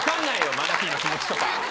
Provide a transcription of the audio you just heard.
マナティーの気持ちとか。